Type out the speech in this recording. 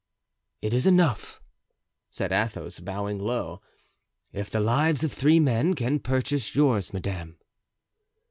"It is enough," said Athos, bowing low, "if the lives of three men can purchase yours, madame."